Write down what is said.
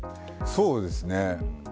そうですね。